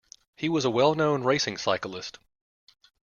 He was a well-known racing cyclist.